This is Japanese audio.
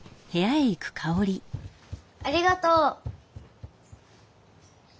ありがとう。